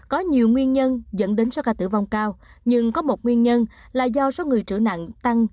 có nhiều nguyên nhân dẫn đến số ca tử vong cao nhưng có một nguyên nhân là do số người trữ nặng tăng